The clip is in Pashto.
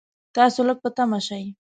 تاسو لږ په طمعه شئ.